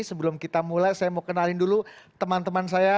sebelum kita mulai saya mau kenalin dulu teman teman saya